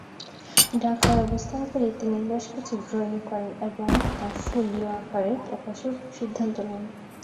ঢাকায় অবস্থানকালে তিনি বেশকিছু ড্রইং করেন এবং তা ফোলিয়ো আকারে প্রকাশের সিদ্ধান্ত নেন।